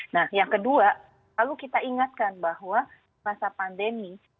nah yang kedua lalu kita ingatkan bahwa masa pandemi